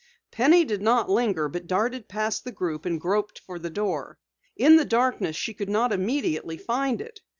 Penny did not linger, but darted past the group and groped for the door. In the darkness she could not immediately find it.